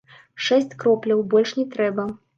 Шэсць кропляў, больш не трэба.